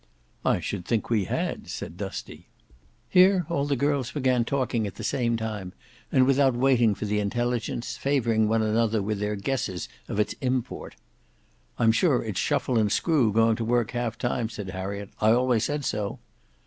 "I should think we had," said Dusty. Here all the girls began talking at the same time, and without waiting for the intelligence, favouring one another with their guesses of its import. "I am sure it's Shuffle and Screw going to work half time," said Harriet. "I always said so."